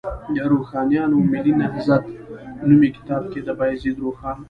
د روښانیانو ملي نهضت نومي کتاب کې، د بایزید روښان